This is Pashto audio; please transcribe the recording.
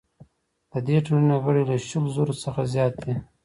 د دې ټولنې غړي له شلو زرو څخه زیات دي.